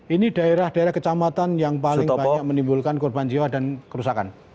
ini daerah daerah kecamatan yang paling banyak menimbulkan korban jiwa dan kerusakan